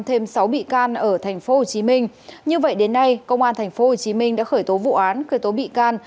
thêm sáu bị can ở tp hcm như vậy đến nay công an tp hcm đã khởi tố vụ án khởi tố bị can